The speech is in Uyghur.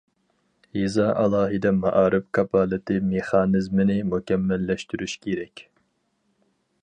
يېزا ئالاھىدە مائارىپ كاپالىتى مېخانىزمىنى مۇكەممەللەشتۈرۈش كېرەك.